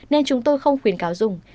nên chúng tôi không khuyến cáo dùng